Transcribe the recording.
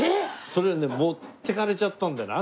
それはね持っていかれちゃったんだよね。